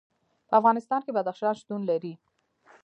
په افغانستان کې بدخشان شتون لري.